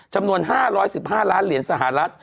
จำนวน๕๑๕ล้านเหรียญสหรัฐ